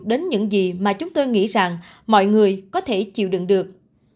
đến những gì mà chúng tôi nghĩ rằng mọi người có thể chịu đựng được